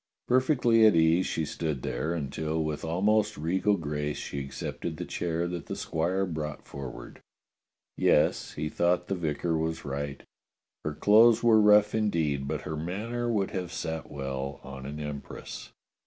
Per fectly at ease she stood there, until with almost regal grace she accepted the chair that the squire brought for ward. Yes, he thought the vicar was right. Her clothes were rough indeed, but her manner would have sat well on an empress.